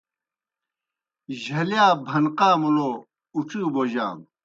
جھلِیا بھنقا مُلَو اُڇِیؤ بوجانوْ۔